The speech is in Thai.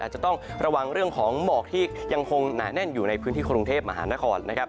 อาจจะต้องระวังเรื่องของหมอกที่ยังคงหนาแน่นอยู่ในพื้นที่กรุงเทพมหานครนะครับ